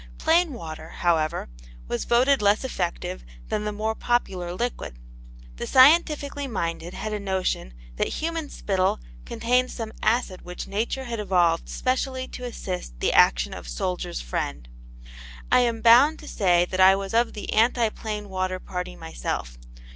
Plain water, however, was voted less effective than the more popular liquid. The scientifically minded had a notion that human spittle contained some acid which Nature had evolved specially to assist the action of Soldier's Friend. I am bound to say that I was of the anti plain water party myself.